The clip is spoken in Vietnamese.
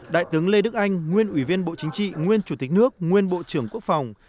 đại tướng lê đức anh nguyên ủy viên bộ chính trị nguyên chủ tịch nước nguyên bộ trưởng quốc phòng